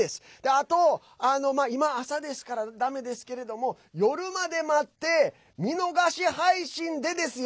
あと朝はだめですけど夜まで待って見逃し配信でですよ。